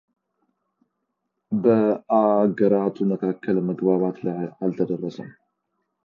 በአገራቱ መካከል መግባባት ላይ አልተደረሰም።